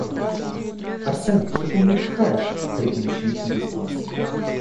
"Арсен! Что ты меня пихаешь!?" - Крикнул ученик на весь класс.